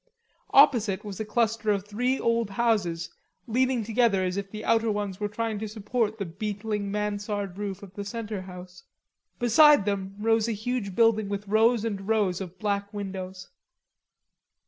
Opposite was a cluster of three old houses leaning together as if the outer ones were trying to support the beetling mansard roof of the center house. Behind them rose a huge building with rows and rows of black windows.